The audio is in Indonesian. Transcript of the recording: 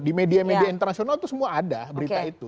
di media media internasional itu semua ada berita itu